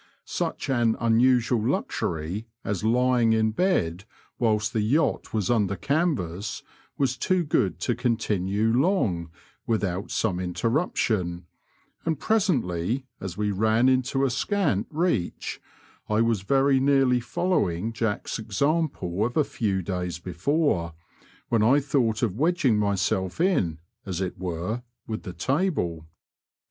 Such an unusual luxury as lying in bed whilst the yacht was under canvas was too good to continue long without some interruption, and presently, as we ran into a scant reach, I was very nearly following Jack's example of a few days before, when 1 thought of wedging myself in, as it were, with the table.